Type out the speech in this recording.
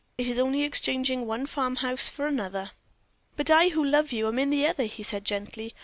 It is only exchanging one farm house for another." "But I who love you am in the other," he said, gently.